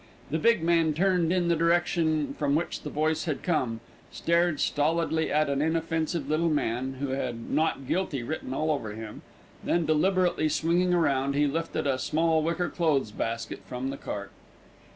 The big man turned in the direction from which the voice had come, stared stolidly at an inoffensive little man, who had "not guilty" written all over him, then, deliberately swinging round, he lifted a small wicker clothes basket from the cart.